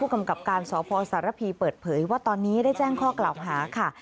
กำกับการสพสารพีเปิดเผยว่าตอนนี้ได้แจ้งข้อกล่าวหาค่ะ